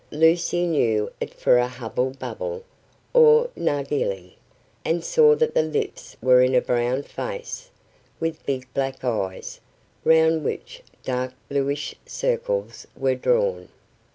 Lucy knew it for a hubble bubble or narghilhe, and saw that the lips were in a brown face, with big black eyes, round which dark bluish circles were drawn.